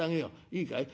いいかい。